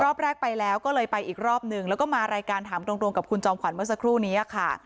รอบแรกไปแล้วก็เลยไปอีกรอบหนึ่งแล้วก็มารายการถามตรงกับคุณจอมขวัญเมื่อสักครู่นี้ค่ะ